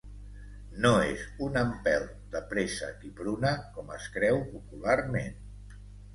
No és un empelt de préssec i pruna, com es creu popularment.